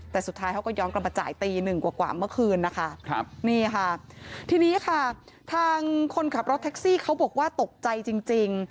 แต่สุดท้ายเขาก็ย้อนกลับมาจ่ายตีหนึ่งกว่าเมื่อคืนนะคะนี่ค่ะทีนี้ค่ะทางคนขับรถแท็กซี่เขาบอกว่าตกใจจริง